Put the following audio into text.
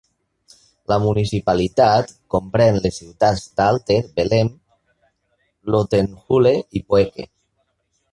La municipalitat comprèn les ciutats d'Aalter, Bellem Lotenhulle i Poeke.